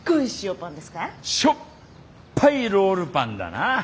しょっぱいロールパンだな。